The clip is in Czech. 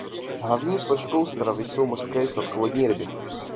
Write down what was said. Hlavní složkou stravy jsou mořské i sladkovodní ryby.